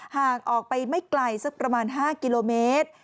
หากออกไปไม่ไกลสักประมาณ๕กิโลเมตร